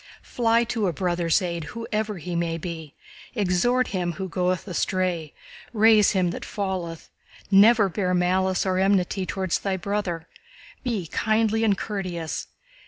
Fly to a brother's aid whoever he may be, exhort him who goeth astray, raise him that falleth, never bear malice or enmity toward thy brother. Be kindly and courteous.